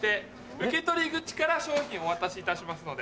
受取口から商品をお渡しいたしますので。